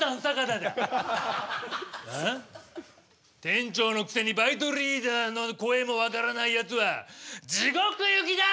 店長のくせにバイトリーダーの声もわからないやつはじごく行きだ！